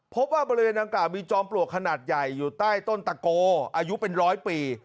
พบว่าบริเวณดังกล่าวมีจอมปลวกขนาดใหญ่อยู่ใต้ต้นตะโกอายุเป็นร้อยปี